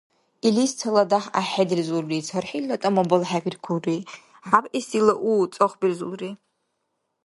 Илис цала дяхӀ гӀяхӀхӀедилзулри, цархӀилла тӀама балхӀебиркулри, хӀябэсилла у цӀахбилзулри.